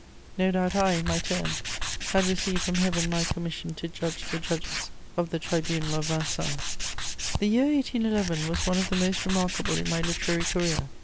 No doubt I, in my turn, had received from Heaven my commission to judge the judges of the tribunal of Vincennes. * The year 1811 was one of the most remarkable in my literary career.